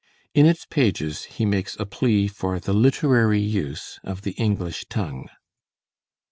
In its pages he makes a plea for the literary use of the English tongue.